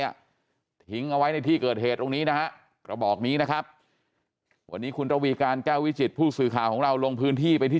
ทิ้งเอาไว้ในที่เกิดเหตุตรงนี้นะฮะกระบอกนี้นะครับวันนี้คุณระวีการแก้ววิจิตผู้สื่อข่าวของเราลงพื้นที่ไปที่